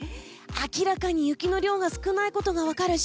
明らかに雪の量が少ないことが分かるし